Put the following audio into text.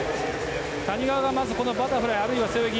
谷川はまず、バタフライあるいは背泳ぎ。